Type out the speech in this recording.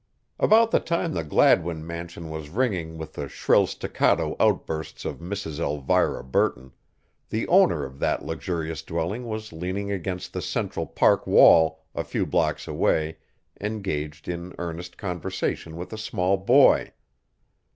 About the time the Gladwin mansion was ringing with the shrill staccato outbursts of Mrs. Elvira Burton, the owner of that luxurious dwelling was leaning against the Central Park wall a few blocks away engaged in earnest conversation with a small boy.